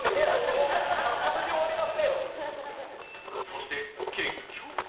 そして、結局。